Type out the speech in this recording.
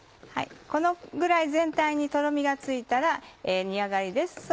このぐらい全体にトロミがついたら煮上がりです。